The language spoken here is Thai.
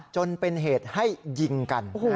จนเป็นเหตุให้ยิงกัน